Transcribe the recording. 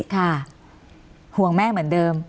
ค่ะห่วงแม่เหมือนเดิม